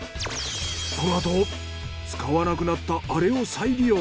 このあと使わなくなったアレを再利用。